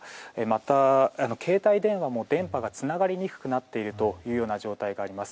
また、携帯電話も電波がつながりにくくなっている状態があります。